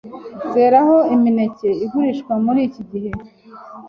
zeraho imineke igurishwa muri iki gihe,